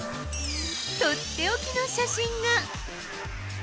取って置きの写真が。